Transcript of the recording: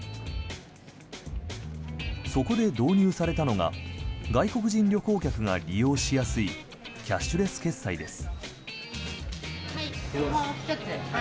そこで導入されたのが外国人旅行客が利用しやすいキャッシュレス決済です。